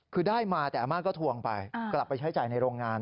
คือได้มาแต่อาม่าก็ทวงไปกลับไปใช้จ่ายในโรงงาน